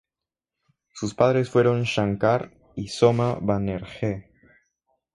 Sus padres fueron Shankar y Soma Banerjee.